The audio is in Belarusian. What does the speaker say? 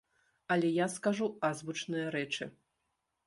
Але я скажу азбучныя рэчы.